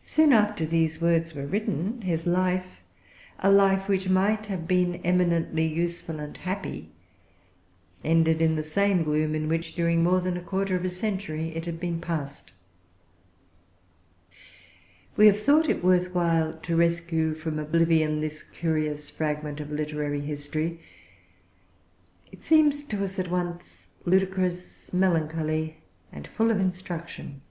Soon after these words were written, his life—a life which might have been eminently useful and happy—ended in the same gloom in which, during more than a quarter of a century, it had been passed. We have thought it worth while to rescue from oblivion this curious fragment of literary history. It seems to us at once ludicrous, melancholy, and full of instruction.